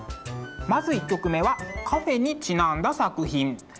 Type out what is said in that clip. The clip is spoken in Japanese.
まず１曲目はカフェにちなんだ作品。